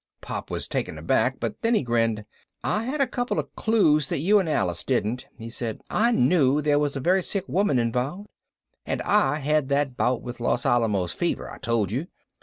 Pop was taken aback, but then he grinned. "I had a couple of clues that you and Alice didn't," he said. "I knew there was a very sick woman involved. And I had that bout with Los Alamos fever I told you.